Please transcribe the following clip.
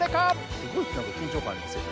すごいなんか緊張感ありますよね。